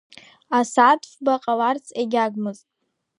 Асааҭ фба ҟаларц егьагмызт.